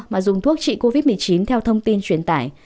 mà dùng thuốc trị covid một mươi chín theo thông tin truyền tải